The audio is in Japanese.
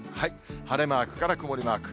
晴れマークから曇りマーク。